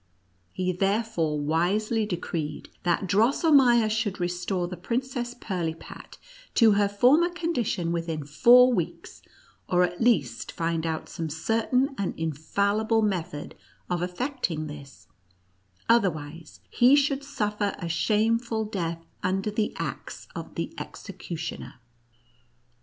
He therefore wisely decreed that Drosselrneier should restore the Princess Pirlipat to her former condition within four weeks, or at least find out some certain and infallible method of effecting this, otherwise he should suffer a shameful death under the axe of the executioner.